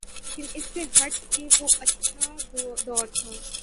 لیکن اس سے ہٹ کے وہ اچھا دور تھا۔